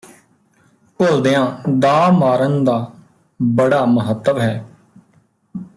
ਘੁਲਦਿਆਂ ਦਾਅ ਮਾਰਨ ਦਾ ਬੜਾ ਮਹੱਤਵ ਹੈ